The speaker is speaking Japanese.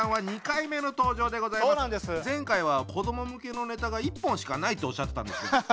前回は子ども向けのネタが１本しかないっておっしゃってたんですけど。